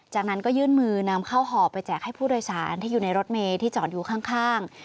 จากนั้นก็ยื่นมือนำเข้าห่อไปแจกให้ผู้โดยสารที่อยู่ในรถเมย์ที่จอดอยู่ข้าง